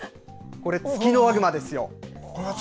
これ、ツキノワグマですよ。